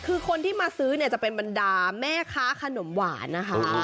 คือคนที่มาซื้อเนี่ยจะเป็นบรรดาแม่ค้าขนมหวานนะคะ